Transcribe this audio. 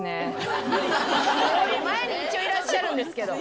前に一応いらっしゃるんですけど。